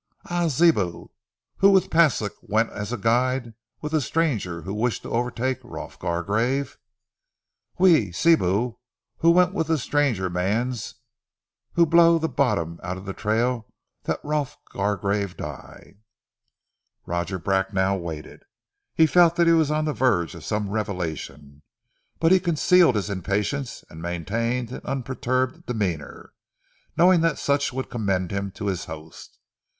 "Ah! Sibou, who with Paslik went as guide with the stranger who wished to overtake Rolf Gargrave?" "Oui! Sibou, who went with ze stranger mans who blow ze bottom out of ze trail that Rolf Gargrave die!" Roger Bracknell waited. He felt that he was on the verge of some revelation, but he concealed his impatience and maintained an unperturbed demeanour, knowing that such would commend him to his host.